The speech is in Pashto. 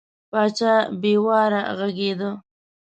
پاچا بې واره غږېده.